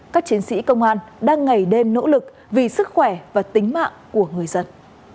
các chiến sĩ công an đang ngày đêm nỗ lực vì sức khỏe và tính mạng của người dân